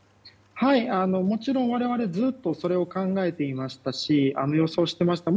もちろん我々はずっとそれを考えていましたし予想していました。